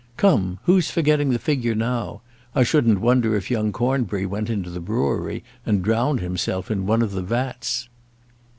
Come, who's forgetting the figure now? I shouldn't wonder if young Cornbury went into the brewery and drowned himself in one of the vats."